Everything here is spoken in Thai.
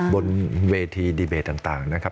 บนเวทีดีเบตต่างนะครับ